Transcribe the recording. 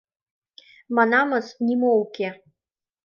— Манамыс, нимо уке.